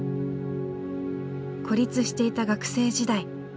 孤立していた学生時代。